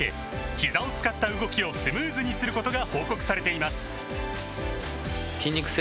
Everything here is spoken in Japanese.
ひざを使った動きをスムーズにすることが報告されています